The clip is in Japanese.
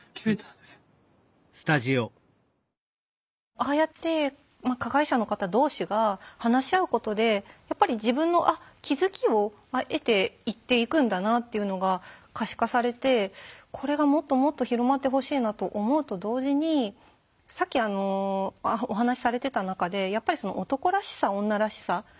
ああやって加害者の方同士が話し合うことでやっぱり自分の気付きを得ていっていくんだなっていうのが可視化されてこれがもっともっと広まってほしいなと思うと同時にさっきお話しされてた中でやっぱり「男らしさ女らしさ」。